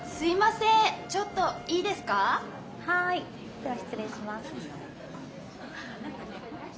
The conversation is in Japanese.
では失礼します。